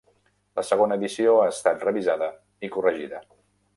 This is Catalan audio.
La segona edició ha estat revisada i corregida.